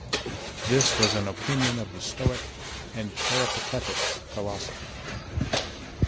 This was an opinion of the Stoic and Peripatetic philosophy.